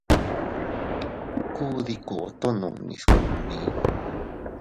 Kuu dii koto nunnis kunni.